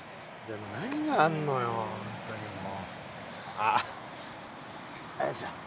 あっよいしょ。